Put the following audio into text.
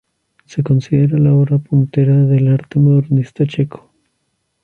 Se considera la obra puntera del arte modernista checo.